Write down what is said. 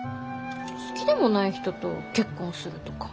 ん好きでもない人と結婚するとか。